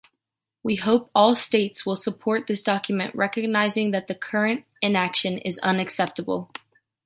We hope all the states will support this document recognizing that the current inaction is unacceptable.